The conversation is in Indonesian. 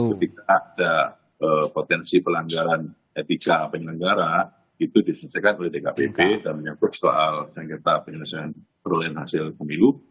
ketika ada potensi pelanggaran etika penyelenggara itu diselesaikan oleh dkpp dan menyangkut soal sengketa penyelesaian perolehan hasil pemilu